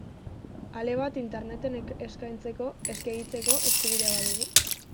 Ale bat Interneten eskaintzeko, eskegitzeko, eskubidea badugu?